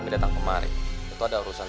masa berapa ini nih captain